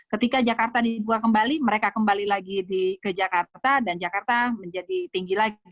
ketika jakarta dibuat kembali mereka kembali lagi ke jakarta dan jakarta menjadi tinggi lagi